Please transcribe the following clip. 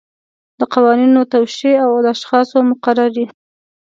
د قوانینو توشیح او د اشخاصو مقرري.